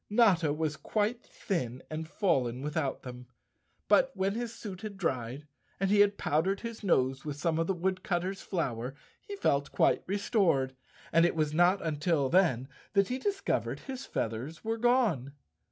Notta was quite thin and fallen without them, but when his suit had dried and he had powdered his nose with some of the wood¬ cutter's flour he felt quite restored, and it was not until then that he discovered his feathers were gone.